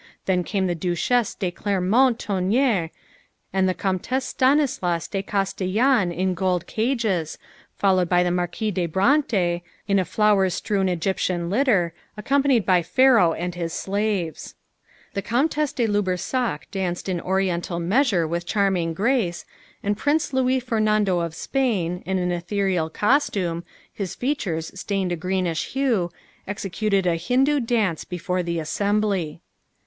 Then came the Duchesse de Clermont Tonnerre and the Comtesse Stanislas de Castellane in gold cages, followed by the Marquise de Brantes, in a flower strewn Egyptian litter, accompanied by Pharaoh and his slaves. "The Comtesse de Lubersac danced an Oriental measure with charming grace, and Prince Luis Fernando of Spain, in an ethereal costume, his features stained a greenish hue, executed a Hindoo dance before the assembly."